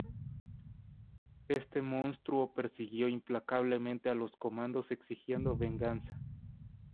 Este monstruo persiguió implacablemente a los comandos exigiendo venganza.